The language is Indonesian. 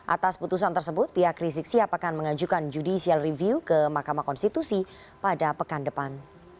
atas putusan tersebut pihak rizik sihab akan mengajukan judicial review ke mahkamah konstitusi pada pekan depan